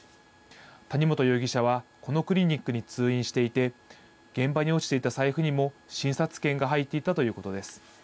谷本容疑者は、このクリニックに通院していて、現場に落ちていた財布にも診察券が入っていたということです。